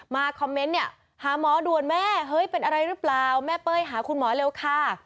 คอมเมนต์เนี่ยหาหมอด่วนแม่เฮ้ยเป็นอะไรหรือเปล่าแม่เป้ยหาคุณหมอเร็วค่ะ